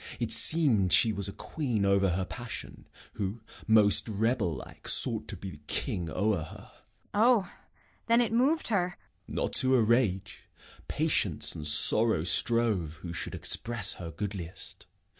It seem'd she was a queen Over her passion, who, most rebel like, Sought to be king o'er her. Kent. O, then it mov'd her? Gent. Not to a rage. Patience and sorrow strove Who should express her goodliest.